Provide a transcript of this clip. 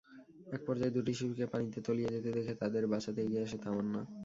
একপর্যায়ে দুটি শিশুকে পানিতে তলিয়ে যেতে দেখে তাদের বাঁচাতে এগিয়ে আসে তামান্না।